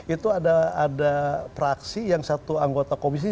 itu ada praksi yang satu anggota komisi